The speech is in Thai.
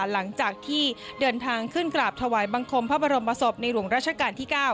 หลังจากที่เดินทางขึ้นกราบถวายบังคมพระบรมศพในหลวงราชการที่๙